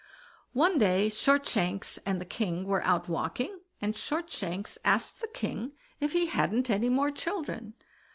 One day Shortshanks and the king were out walking, and Shortshanks asked the king if he hadn't any more children?